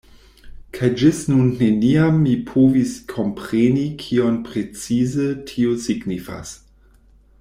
Kaj ĝis nun neniam mi povis kompreni kion precize tio signifas.